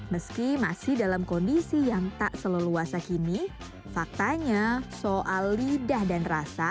meski masih dalam kondisi yang tak selalu wasa kini faktanya soal lidah dan rambutnya